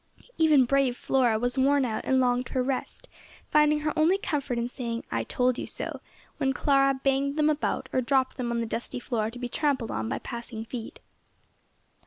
Even brave Flora was worn out and longed for rest, finding her only comfort in saying, "I told you so," when Clara banged them about, or dropped them on the dusty floor to be trampled on by passing feet.